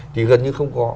thì gần như không có